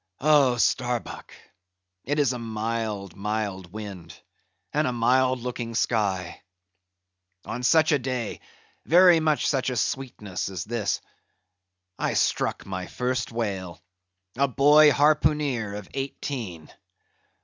"Oh, Starbuck! it is a mild, mild wind, and a mild looking sky. On such a day—very much such a sweetness as this—I struck my first whale—a boy harpooneer of eighteen!